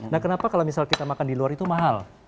nah kenapa kalau misal kita makan di luar itu mahal